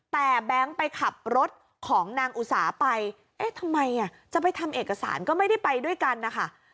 แต่แบงค์ไปขับรถของนางอุสาไปเอ๊ะทำไมจะไปทำเอกสารก็ไม่ได้ไปด้วยกันนะคะ